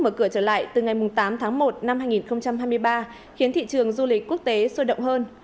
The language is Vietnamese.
mở cửa trở lại từ ngày tám tháng một năm hai nghìn hai mươi ba khiến thị trường du lịch quốc tế sôi động hơn